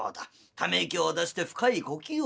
ため息を出して深い呼吸をするんだ。